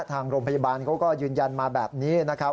ทางโรงพยาบาลเขาก็ยืนยันมาแบบนี้นะครับ